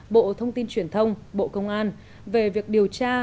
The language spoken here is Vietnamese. bộ thông tin truyền thông bộ công an về việc điều tra